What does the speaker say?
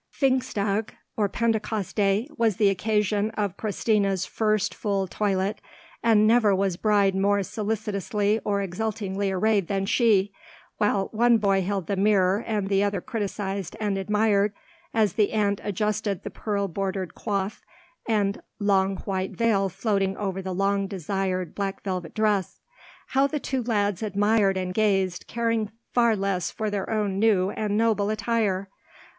Pfingsttag, or Pentecost day, was the occasion of Christina's first full toilet, and never was bride more solicitously or exultingly arrayed than she, while one boy held the mirror and the other criticized and admired as the aunt adjusted the pearl bordered coif, and long white veil floating over the long desired black velvet dress. How the two lads admired and gazed, caring far less for their own new and noble attire!